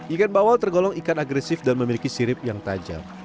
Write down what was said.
ikan bawal tergolong ikan agresif dan memiliki sirip yang tajam